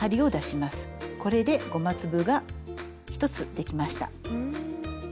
これでゴマ粒が１つできました。